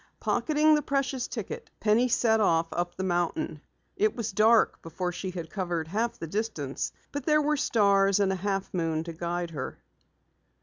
Pocketing the precious ticket, Penny set off up the mountain. It was dark before she had covered half the distance, but there were stars and a half moon to guide her.